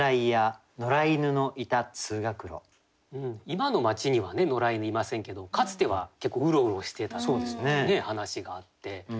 今の町には野良犬いませんけどかつては結構うろうろしてたっていう話があって。